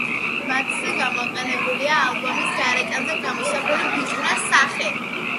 მათზე გამოყენებულია ალბომის გარეკანზე გამოსახული ბიჭუნას სახე.